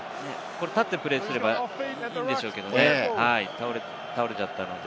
立ってプレーすればいいんでしょうけれどもね、倒れちゃったので。